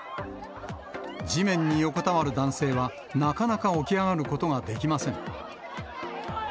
地面に横たわる男性は、なかなか起き上がることができません。